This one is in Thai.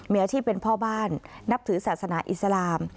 มีอาชีพเป็นพ่อบ้านนับถือศาสนาอิสลาม